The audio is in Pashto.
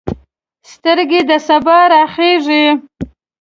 سترګه د سبا راخیژې